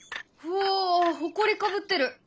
うおほこりかぶってる。